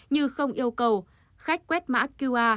như không yêu cầu khách quét mã qr